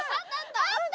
あった！